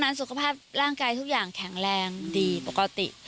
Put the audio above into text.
สุขภาพร่างกายทุกอย่างแข็งแรงดีปกติ